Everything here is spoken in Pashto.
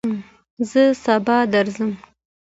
زه سبا درځم